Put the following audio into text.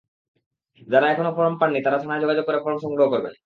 যারা এখনো ফরম পাননি, তাঁরা থানায় যোগাযোগ করে ফরম সংগ্রহ করবেন।